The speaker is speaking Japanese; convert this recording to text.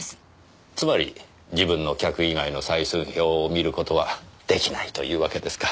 つまり自分の客以外の採寸表を見る事は出来ないというわけですか。